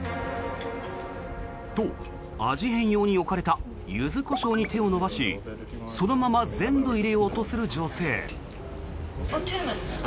と、味変用に置かれたユズコショウに手を伸ばしそのまま全部入れようとする女性。